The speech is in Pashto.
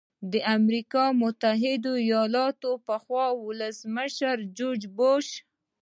د امریکا متحده ایالاتو پخواني ولسمشر جورج بوش.